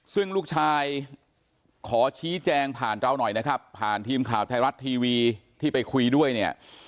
ซึ่งลูกชายขอชี้แจงผ่านเราหน่อยนะครับผ่านทีมข่าวไทยรัฐทีวีที่ไปคุยด้วยเนี่ย